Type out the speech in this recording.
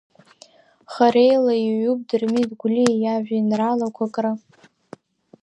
Хореила иҩуп Дырмит Гәлиа иажәеинраалақәа кры.